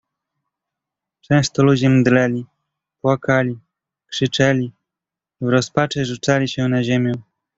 "Często ludzie mdleli, płakali, krzyczeli, w rozpaczy rzucali się na ziemię."